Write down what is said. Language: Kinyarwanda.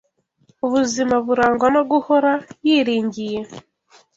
ubuzima burangwa no guhora yiringiye,